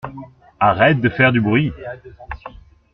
Arrête de faire du bruit!